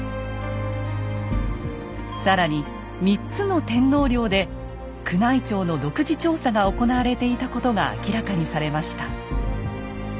更に３つの天皇陵で宮内庁の独自調査が行われていたことが明らかにされました。